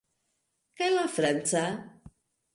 Kaj la franca?